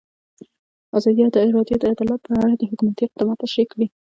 ازادي راډیو د عدالت په اړه د حکومت اقدامات تشریح کړي.